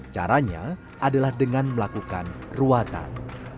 caranya adalah dengan melakukan ruatan